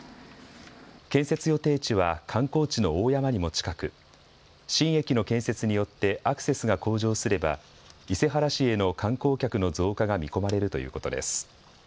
建設予定地は観光地の大山にも近く新駅の建設によってアクセスが向上すれば伊勢原市への観光客の増加が見込まれるということです。